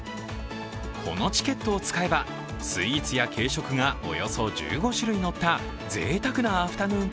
このチケットを使えばスイーツや軽食がおよそ１５種類乗ったぜいたくなアフタヌーン